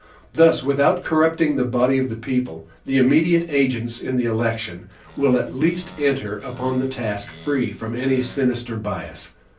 Thus without corrupting the body of the people, the immediate agents in the election will at least enter upon the task free from any sinister bias.